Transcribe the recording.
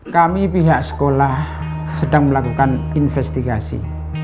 kami pihak sekolah sedang melakukan investigasi